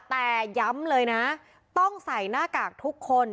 แต่ย้ำเลยนะต้องใส่หน้ากากทุกคน